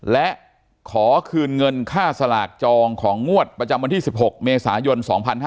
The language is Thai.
และขอคืนเงินค่าสลากจองของงวดประจำวันที่๑๖เมษายน๒๕๕๙